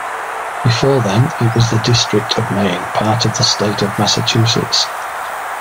Before then, it was the District of Maine, part of the state of Massachusetts.